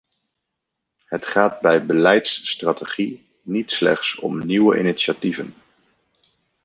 Het gaat bij beleidsstrategie niet slechts om nieuwe initiatieven.